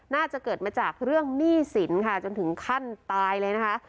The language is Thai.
น่าจะเกิดมาจากเรื่องหนี้สินค่ะจนถึงขั้นตายเลยนะคะ